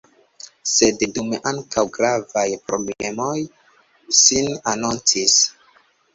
Sed dume ankaŭ gravaj problemoj sin anoncis.